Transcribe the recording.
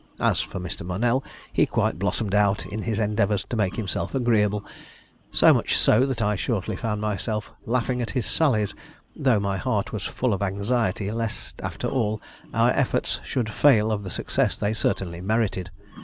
As for Mr. Monell, he quite blossomed out in his endeavors to make himself agreeable; so much so, that I shortly found myself laughing at his sallies, though my heart was full of anxiety lest, after all, our efforts should fail of the success they certainly merited.